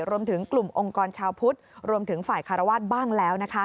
รวมถึงกลุ่มองค์กรชาวพุทธรวมถึงฝ่ายคารวาสบ้างแล้ว